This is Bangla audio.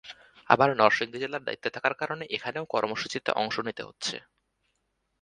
আবার নরসিংদী জেলার দায়িত্বে থাকার কারণে এখানেও কর্মসূচিতে অংশ নিতে হচ্ছে।